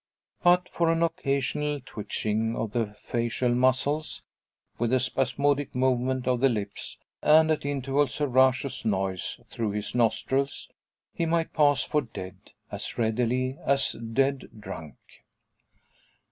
But for an occasional twitching of the facial muscles, with a spasmodic movement of the lips, and at intervals, a raucous noise through his nostrils, he might pass for dead, as readily as dead drunk.